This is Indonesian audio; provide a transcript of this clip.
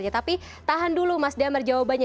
tapi tahan dulu mas damar jawabannya